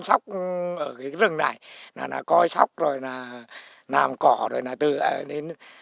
xóc ở cái rừng này là coi xóc rồi là làm cỏ rồi là tự hào đến